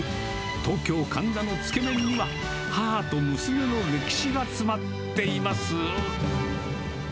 東京・神田のつけ麺には、母と娘の歴史が詰まっています。